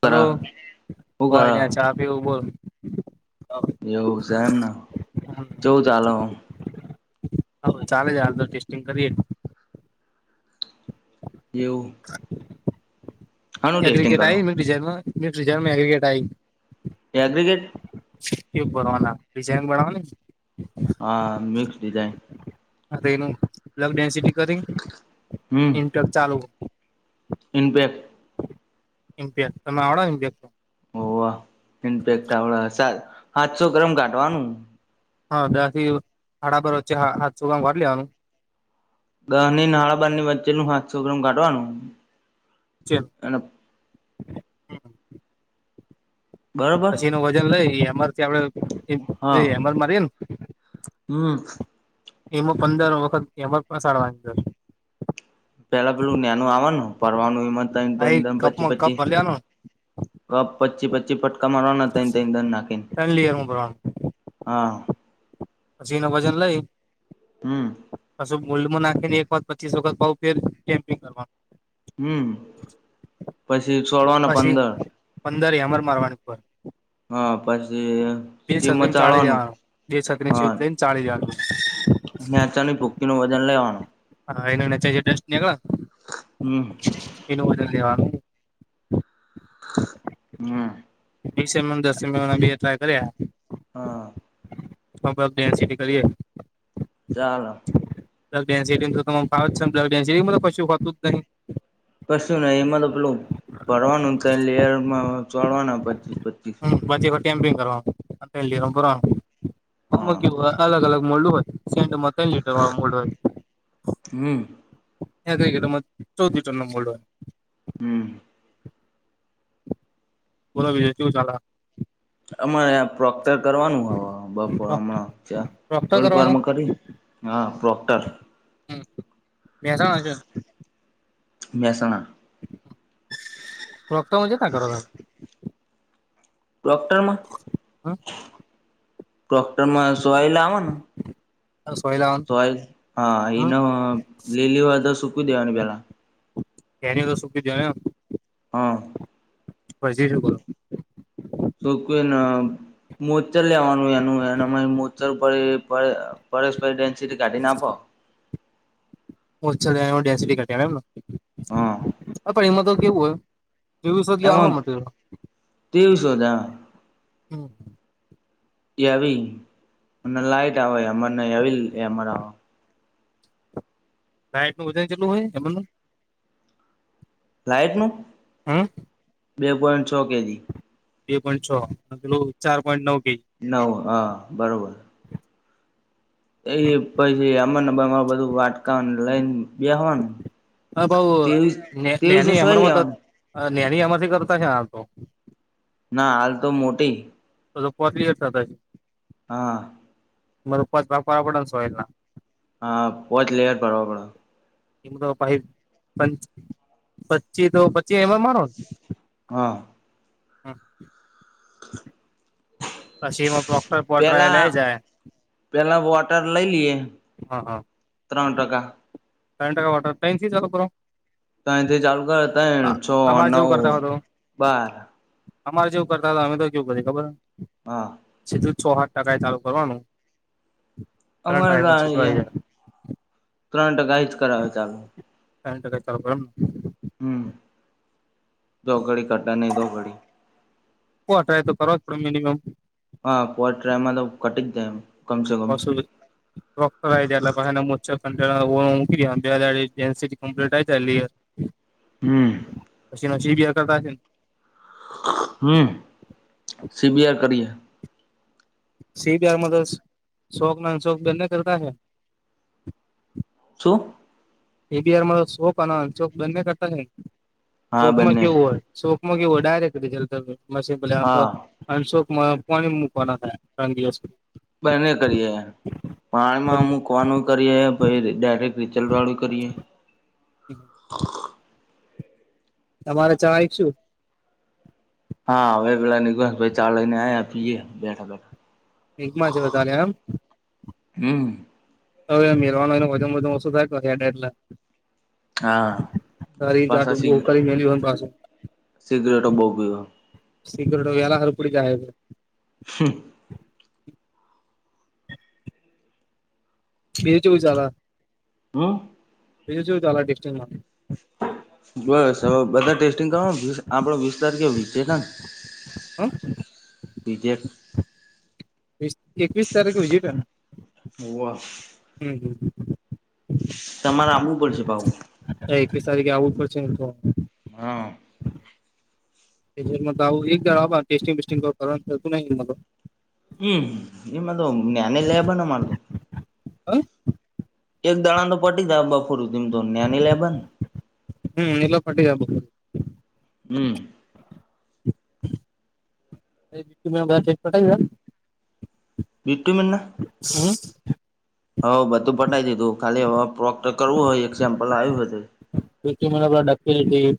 કર હલો હું કર કોઈ નને ચા આપીવું બોલ એવું છેહેમને જોવ ચાાલ હ હ ચાલે છે હાલ તો ટેસ્ટિંગ કરીએ એવ ટેસ્ટિંગ ક્રિકેટ કરો આ મ મજમાં્રિકેટ આઈ એગ્રિગેડ એ બનવાના ડિઝઇન બનાવાની હા મિક્સ ડિઝાઇન હ એનુંલગ ડેન્સિટી કરી ઇપેક ચાલુ ઇપેક્ટ મ્પ તમે આવ મ ઓ ઇપેક્ટ આવ હાથસો ગરમ કાટવાનું હા બેથી હાડા પરર વચ્ે હાથ સુગામ વાઢ લેવાનું દહની નાળા બાર ની વચ્ચે નું સાતસો ગ્રામ કાઢવાનું છે હ અને બરોબર પછી એ ન વજન લઈ હેમર થી આપડે હેમર મારીએ ને હ એમાં પંદર વખત એમાંસાડવાંદર પેલા પેલું નાનું આવવાનું ફરવાનું એ આ ત પછી કપમાં કપ પછી ભર લેવાનો કપ પછી પછી ફટકા મારવાના તને ત ધર નાખીને ત્રણ લેયરમાં ભરવાનું હા પછી ન વજન લઈ હમ પછ બલ્ડમાં નાખીને એક વાર પચીસ વખત ફેર કેમ્પિંગ કરવાનું હમ પછી સોળોને પછી પંદર પંદર અમર મારવાની પરર હા પછી બે શિવ છત્ર્રી ચાલી મચાડવાનું જવાનું બે છત્ર લઈને ચાલી જવાનું મેચાની ભુક્કી નું વજન લેવાનું હા એ નચેજટ નેગ હમ એનું બલ દવા હમ બીસેમ દસ બે ટ્રાય કર્યા હા હ બ ડસી નીકળએ ચાલો બ્ગ ડેન્સિટી તો તમા બ્ગ ડન્સિટીંગ તો કું હોત જ ન પશી ન એમાં તો પેલું ભરવાનું ક લેર ચોડવાના પચીસ પચીસ મપ હા કરવા અલગ અલગ મોહોય સ તો મત લટ વા મળવા હમ હે કઈ ગમાં ચૌથી ટોન ન મળવા હમ બરા વિજય તેવું ચાલ હમ પ્રોક્ટર કરવાનું હવે બપોર હમણાં ત્યાં ડોક્ટર થોડીક વાર કરવાનો કરી હા પ્રોક્ટર હ મહેસાણાજન મહેસણા રક્તમ હો છે ત ઘર ડોક્ટરમાં ડોક્ટરમાં સોવાયલા આનું સોયલા પ હા હ એનો લીલી વા તો સુકી દેવાની પેલા એની તો સુકી દો ને હા પછી શું કરું શો કોઈ ના મ્ચર લેવાનું એનું એને અ મોચ્છર ઉપ પરેશપ ડેન્સિટી કાઢીને આપો ડેન્સ એમ પણ હા એમાં તો કેવું હોય ચવીસગ્યા હો એમાં માટે તેવી શોધા હમ વી લાઈટ આવેમવીર આવે સાઈટનું વજન કેટલું હોય એમનું લાઈટનું હં બે પોઈન્ટ છો કે જી બે પોઈન્ટ છ અને પેલું ચાર પોઈન્ટ નવ કેજી નવ હ બરોબર એ પછી અમમાર બધું વાટકા લઈને બેવાનું હા ભાઉ ત્રેવીસ ત્રેવીસ વર્ષ એય લેવાની નાની એમાંથી કરતા છે આ તો ના હાલ તો મોટી તો તો પોતલી હા મપત બાપ પડ સ હોયલ ના હા પો જ લેયર ભરવા પડે એમ તો પ પચી તો પચી એ મારો હા હા હા પછી એમાં પ્રોક્ટર બોટરા લઈ જાય પહેલા વ આટર લઈ લીએ હા હા ત્રણ ટકા પન્ટકા વાટર ટન તી જો તો અહીથી ચાલુ કરે ત છ અમારે જેવું નવ કરતા હતો બાર અમારે જેવું કરતા હતા અમે તો કેવું કર ખબર હા સીધું છ સાઠ ટકા એ ચાલુ કરવાનું ત્રણ અમારે તો ટ્રાયમાં સીધું આવી જાય ત્રણ ટકા હ જ કરાવે ચલે એ ચ હમ દો ઘડી કટા નહી તોો ઘડી કોટ તો કરવા પડે મિમમ હા પોટ્ર એમાં તો કટી જ જાય એમ કમસે કમ વસલ ડોક્ટર મોચ્છર બેટી કમ્પ્લીટયર હમ પછીનછી બી કરતાને હમ સીબીઆર કરીએ સી બીઆર મ શોક ના અન શોખ બને કરતા હ શું એ બીઆાર શોક શોક બંને કરતા છે હા ચોકમાં બંને કેવું હોય શોકમાં કેવો ડાયરેક્ટજલ મી હા અંશોક પણ મૂકવાના થયા રંગયા સુધી બને કરી પણ હ મુમુક ફવાનું કરીએ ભછ ડાયરેક્ટ રિચલ્ટવાળું કરીએ હમ તમારે ચવાય શું હા હવે પેલા નીક ભ ચાલને આપીએ બેઠા બેઠા એકમાં છે બધા ને એમ હમ હવે મરવાય વધું ઓશું થાય એટલે હા તારી જાડ પાછા સી કરી મેલી પાસે સિગરેટો બહુ પીયો સીક્રેટ એલા હરપડી જાય હ બજ ચોું ચાલ હમ જોું ડમાં બસ હવે બધા ટેસ્ટિંગ કરવા વી આપડો વીસ તારીખે વ હ હમ પજેક એકવીસ તારીખે વિજટ હોવ હમ તમારામું બશે ભાવ હ એકવીસ તારીખે આવવું જ પડશે ને તો મારા આવું એક જ ટેસ્ટિંગ બસ્ટિંગ કરું હમ એમદ ને લેબના મળો હા એક દણા તો પટી જાય બપોરમ તો ના્ની લેબ ને હમ એલા ફટી જબ હમ બી બધા ઠક પટ બી ટુંમને હમ હઉ બધું પટી દીધું ખાલી પ્રોક્ટ કરવું હોય એક સેમ્પલ આવ્યું હત પૃમને પરા ડકી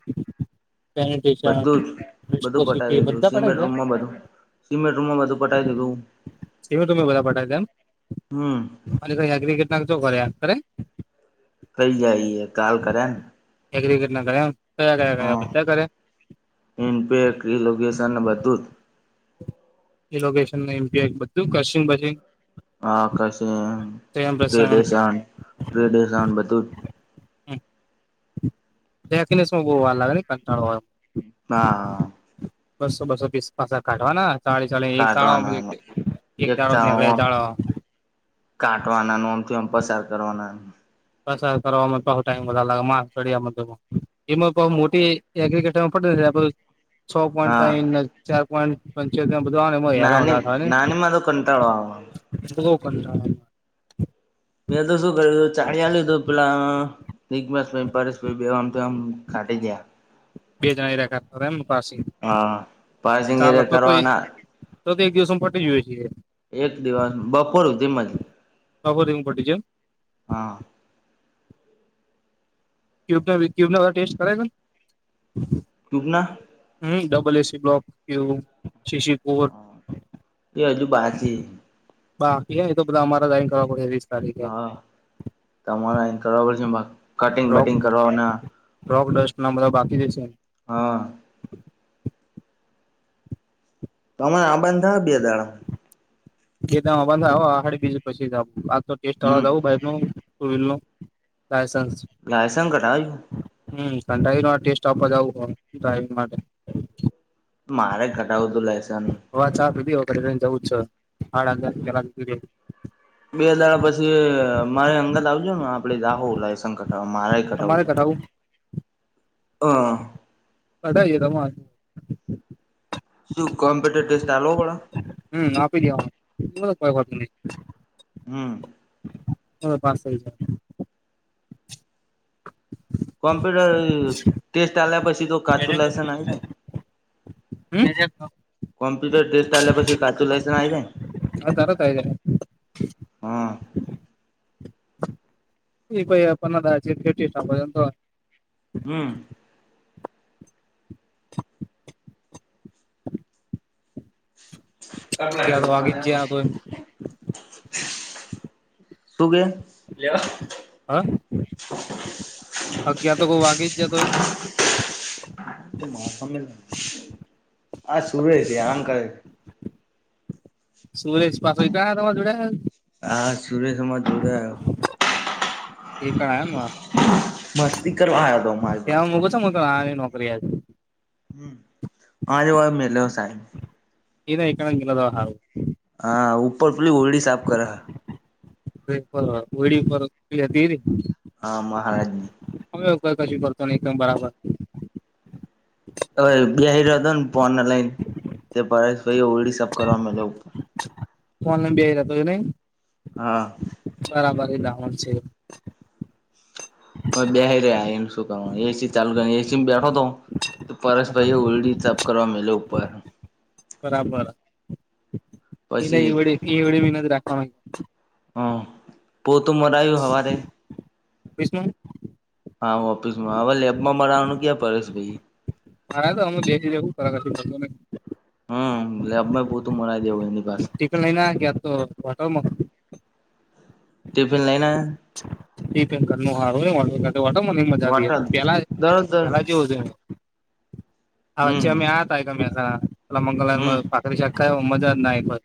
બધું જ બધું વિસ્કોસિટી પટાઈી દીધું બધા પટાવી સિમેન્ટ રૂમમાં બધું સીમેન્ટ રૂમમાં બધું પટી દીધું સ તમે બધા પઠાવ દ એમ હમ અને ક કેટ નાો કરરે કરરે પઈ જઈએ કાલ કરે ને એગ્રિકટ ના કરે એમ કયા કયા કરયા બધા કરે ઇનપે ક્રી લોકેશન બધું જ એ લોકેશન ન એમપી આક બધું ખર્સિંગ ભછિંગ આકાશે રડેશન રેડેશન બધું જ હમ દેખને બહુ વાર લાગે ને કંટાળ હા બસો બસો પીસ પાછ કાઢવાના સાડી ચડી એક ચળ કાઢવાના એક ચ ળ ચળ કાટવાના ન આમથીમ પસાર કરવાના પ્રસાર કરવામાં બહુ ટાઈઇમ બા લાગે ચડિયામાં એમાં બઉ મોટી એગ્રીિકલ્ચરમાં પડ છ પોઈન્ટ હા થ ચાર પોઈન્ટ પંચાયત ના બધા એમાં નાની હયાર થાય નાની માં તો કંટાળો આવે ને મેં તો શું કર્યુંું ચાાલલ્યું હતું પેલા નિગ્માસ પરેશાઈ બેમમ ઘાઢ ગયા બે જ રખા એમ પાછી હા ચાલ પારસિંગીરે તો તો કરવાના તો તો એક દિવસમાં પટી જોઈએ છી એક દિવસ બપોર ધીમજ બપોરે હું પટી જઉ હા ્યુબ ક્યુબના ટેસ્ટ કરેગ ટૂક ના હમ ડબલ એસી બ્લોક શીશી એ હજુ બાકી બાકી હ એ તો બધા અમારા જઈન કરવા પડે તારીખે હા તમારે કરવા પડશે કટિંગ રોક બટિંગ કરવાના રોક ડસ્ટ ના બધા બાકી જે છે હા તો અમે આ બંધા બે દાણા એડી બીજું પછી જું આ તો ટેસ્ટવા હમ જું ભાઈ સ્લો લાયસન્સ લાયસ ઘટ હમાઈો ટેસ્ટ આપવા જ આવું હો ડ્રાઈવિંગ માટે મારે ઘટાવું હતું લાયસન્સ વા ચાલ દ ટ્રેન જવું જ છે હા બે હડા પછી મારે અંગત આવજો ને આપડે દહો લાયસન્સ કાવ મારા કટાવજું તમારે કઢાવું હા અડ એ તમામાં શું કોમ્પુટર ટેસ્ટ ચાલ હમ આપી દેવા એ તો કોઈ ખતું નહી હમ હ પા કોમ્પ્યુટર ટેસ્ટ ચાલ્યા પછી તો કાચું લાયસન આવે છે જ કોમ્પ્યુટર ટેસ્ટટ્યા પછ કાચું લાયસન્સ આવી જાય હ તરતાીરે હા એ ભાઈયા પાી કેટ હમ કટલા અગિયાર તો વાગી જ છેપા જયા તોય શું કે લેવા હા અગ તો ક વાગી જ જતોય મેલન હ શર રહે છે આં કર સુરેશ પાછો ક્યાયા તમા જોડયા હા સુરેશ અમાર જોડે આયો એ પણ આમ હ મસ્તી કરવા આયો તો મારી પાસે ત્યાં હ આ નોકરીયા હમ હજ વા મેલે હો સાહેબ એના એ કણંગ ગલા દવા હાું હા ઉપર પલી ઓલડી સાફ કર વડી પર હતી ર હા મહારાજજીની હમે એવું કઈ કશું કરતો ન એકદમ બરાબર હવે બ રહ્યો હતો ને પોન લઈન તે ભાઈ ઓળ સબ કરવાર ફોન બ બે જતો ન હા બરાબર લહણ છે હ બે રહ્યા એમ શું કરવા એસી ચાલુ કર એસી બેઠો હતો તો પરસ હા ભાઈ એ ઉલડી સાપ કરવા મે ઉપર બરાબર પછી એનેવડે એવડેી નથી રાખવા માંગી હ પોતું મરાયું હવારે વિસ્્મ હા ઓફિસ માં હવે લેબમાં મારાવાનું ક્યાં પરેશ ભાઈ હા તો હું જઈી જવું તરાકાશ લુંને હમ એટલે અ બહતું મરાઈ દેવ એ ટિકલ લઈ ના કે આ તો વટરમાં ટિફિન લઈના એંકર નું હારું વાટો મને મજા થ હોટલ ગયા પેલા દરોદર પેલા જેવું છે હા હમ ચવામે આ હતા ગ મેમે હ તલા હમ મંગલા શખાય મજા જ ના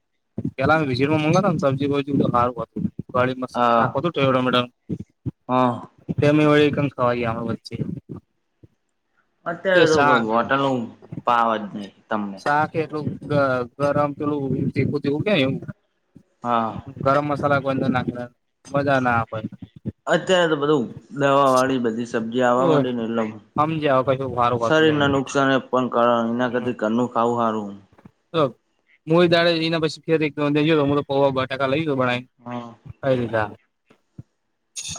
પેલામે વિીમાં મંગાતા ને સબ્જી બ સારું હતું ગળ મસ્ હા આખુંવડ મેડમ હા એમે વળ કમ ખવા ગ વચ્ચે તે અત્યારે તો શાક કોઈ બોટલ નું પાવ જ નહી ત શાખ એટલું ગરમ પેલું ચીખું ઉગેને એવમ હા ગરમ મસાલા કોઈ નાખ મજા ના પલા અત્યારે તો બધું દવા વાળી બધી સબ્જી આવવા માંડી ને એટલે સમજ્યા કશું હારું હોતું શરીર ના નહીં નુકસાન એ પણ કર એના કર ઘરનું ખાવું સારું બબ મુ એ દાડે જઈને પછી ફેર એક જોયો પૌ બટાકા લઈ ગયો ભને હા પલા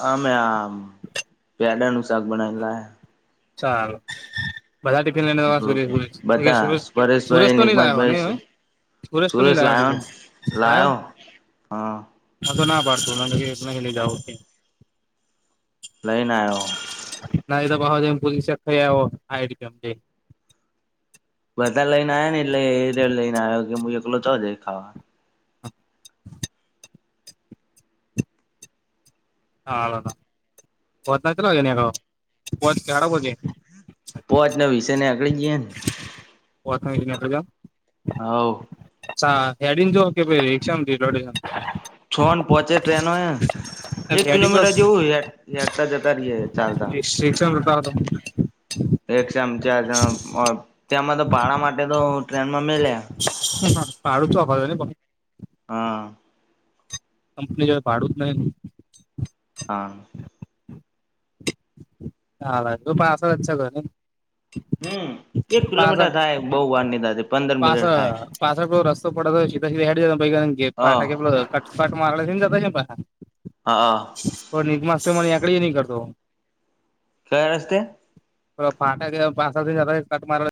આ મે આમ પ્યાડા નું શાક બનાવેલા ચાલ બધા ટિફિન લઈને લાયા. સુરેશ સુરે બધા સુરે સુરેશ પરેશભાઈ તો નહી લાવ્યો ને હવે નિગમતભાઈ પૂરસ્ નહી સુરેશ લાવો લાયો ને થો લાયો હા હા તો ના પાડતોું કેતના લ જઓ લઈને આવ્યો ના તો બ પુલી શ આવોઈમ બધા લઈને આવ્યા ને એટલે એ ર લઈને આવ્યો કે હું એકલો ચ દ ખાવા હા પોતના ચલા પો ખડા પતે પો આચના વિષય ને આગળી ગઈ ને ઓખજ [unintelligible] હ. ્ા હેડી જો કે ભાઈ રિક્ષાડ છો ન પોહોંચે ટ્રેનો નોહે એક હેડી જો કિલોમીટર જેવું ારતા જતા રહીએ ચાલતા. રિક્ષામાં જતા હતો એક ચમચણા ત્યાંમાં તો પાડા માટે તો ટ્રેનમાં મેલ્યાં હ પારું તો અભવા જ બ [unintelligible] હા. કંપની જો ભાડું જ નહીં હા. હા ભાઈ તું પાસ જ છે. કરને હમ એક કિલોમીટર થાય બહુ વારની દાદી પાસ પાસરા પલો રસ્તો પડતો હતો શીતા શ ફાટકે. હ પાટ મારલાથી ને જતા પ હા હ પણ નિમા ની આંકડી નહી કરતો કયા રસ્તે ફાટા કટ [unintelligible]